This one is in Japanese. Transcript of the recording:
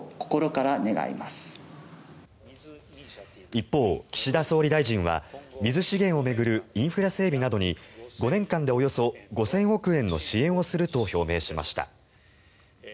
一方、岸田総理大臣は水資源を巡るインフラ整備などに５年間でおよそ５０００億円の支援をすると表明しました。